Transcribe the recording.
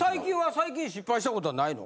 最近失敗したことはないの？